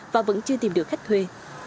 và vẫn chưa tìm được khách thuê